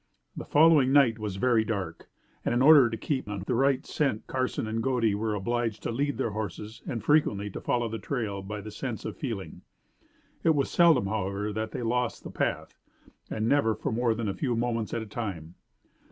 The following night was very dark, and in order to keep on the right scent Carson and Godey were obliged to lead their horses and frequently to follow the trail by the sense of feeling. It was seldom, however, that they lost the path, and never for more than a few moments at a time.